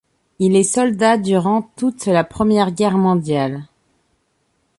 Il est soldat durant toute la Première Guerre mondiale.